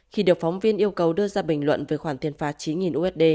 khi điều phóng viên yêu cầu đưa ra bình luận về khoản tiền phá chín usd